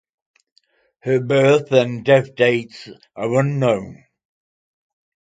Her birth and death dates are unknown.